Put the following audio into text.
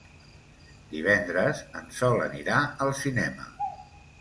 Divendres en Sol anirà al cinema.